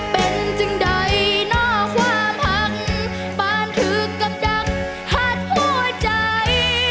เป็นจริงใดนอกความหักปานถือกกับดักหัดหัวใจ